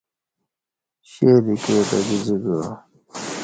شیر ایکے تہ گیجی کعا